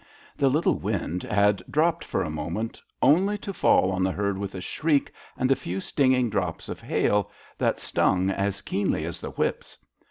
The little wind had dropped for a moment, only to fall on the herd with a shriek and a few stinging drops of hail, that stung as keenly as the whips.